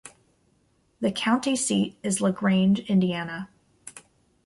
The county seat is LaGrange, Indiana.